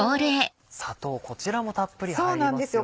砂糖こちらもたっぷり入りますよね。